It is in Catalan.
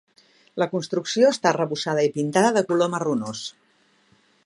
La construcció està arrebossada i pintada de color marronós.